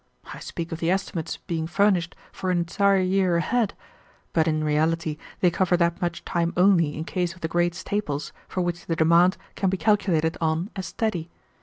I speak of the estimates being furnished for an entire year ahead, but in reality they cover that much time only in case of the great staples for which the demand can be calculated on as steady.